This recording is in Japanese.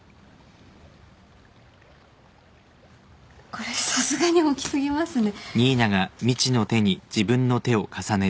これさすがに大きすぎますね。